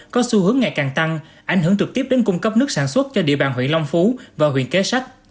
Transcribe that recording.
có xu hướng ngày càng tăng ảnh hưởng trực tiếp đến cung cấp nước sản xuất cho địa bàn huyện long phú và huyện kế sách